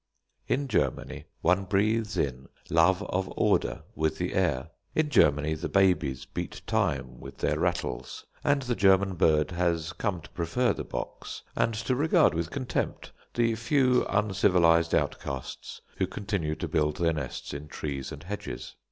'" In Germany one breathes in love of order with the air, in Germany the babies beat time with their rattles, and the German bird has come to prefer the box, and to regard with contempt the few uncivilised outcasts who continue to build their nests in trees and hedges.